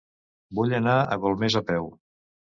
Vull anar a Golmés a peu.